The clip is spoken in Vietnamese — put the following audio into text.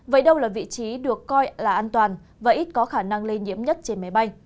vậy đâu là vị trí được coi là an toàn và ít có khả năng lây nhiễm nhất trên máy bay